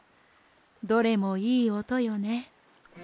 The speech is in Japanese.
どれもいいおとよね。